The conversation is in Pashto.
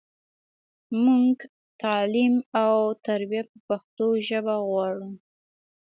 مونږ تعلیم او تربیه په پښتو ژبه غواړو.